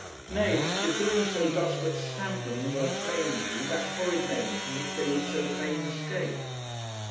Nay, the doing so does but stamp them the more plainly with that horrid name from which they would so fain escape.